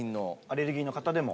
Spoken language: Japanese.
アレルギーの方でも。